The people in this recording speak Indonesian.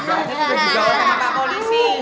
udah jauh sama pak polisi